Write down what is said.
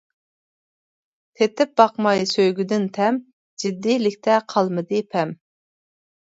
تېتىپ باقماي سۆيگۈدىن تەم، جىددىيلىكتە قالمىدى پەم.